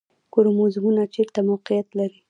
کروموزومونه چیرته موقعیت لري؟